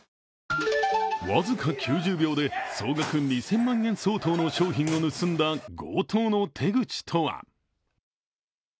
僅か９０秒で総額２０００万円相当の商品を盗んだ強盗の手口とは？